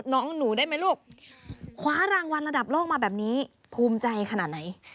น้องหนูได้ไหมลูกคว้ารางวัลระดับโลกมาแบบนี้ภูมิใจขนาดไหน